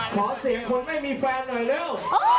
ขอเสียงคนไม่มีแฟนหน่อยเร็ว